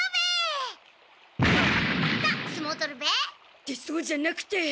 ってそうじゃなくて。